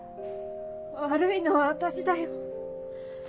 悪いのは私だよ。